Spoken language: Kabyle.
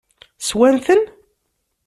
Swan-ten?